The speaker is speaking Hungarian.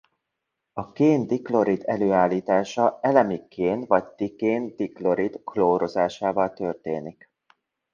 A kén-diklorid előállítása elemi kén vagy dikén-diklorid klórozásával történik.